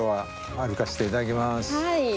はい。